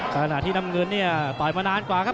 ขณะที่น้ำเงินเนี่ยต่อยมานานกว่าครับ